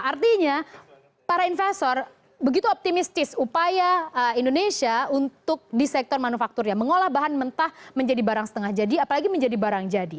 artinya para investor begitu optimistis upaya indonesia untuk di sektor manufaktur ya mengolah bahan mentah menjadi barang setengah jadi apalagi menjadi barang jadi